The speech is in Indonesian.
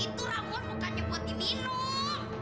itu rawon bukannya buat diminum